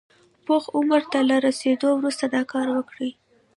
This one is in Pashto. پوخ عمر ته له رسېدو وروسته دا کار وکړي.